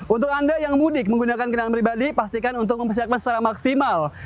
untuk anda yang mudik menggunakan kendaraan pribadi pastikan untuk mempersiapkan secara maksimal